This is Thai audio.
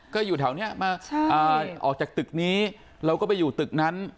ก็อยู่แถวนี้มาออกจากตึกนี้เราก็ไปอยู่ตึกนั้น